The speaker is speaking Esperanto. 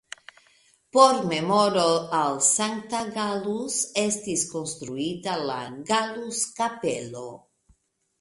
Por memoro al Sankta Gallus estis konstruita la Gallus-Kapelo.